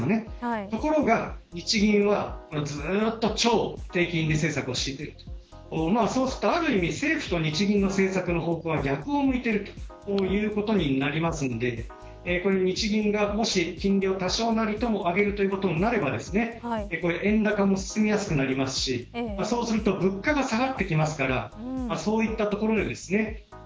ところが日銀はずっと超低金利政策を敷いてそうすると、ある意味政府と日銀の政策の方向が逆を向いているということになるので日銀が、もし金利を多少なりとも上げるということになれば円高も進みやすくなりますしそうすると物価が下がってきますからそういったところでですね